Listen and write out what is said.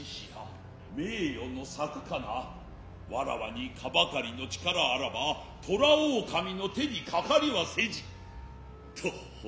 わらはに斯ばかりの力あらば虎狼の手にかかりはせじと吐いたとな。